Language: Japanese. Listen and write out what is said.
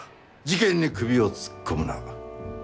事件に首を突っ込むな。